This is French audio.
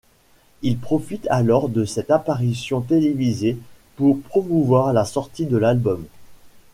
Il profite alors de cette apparition télévisée pour promouvoir la sortie de l'album.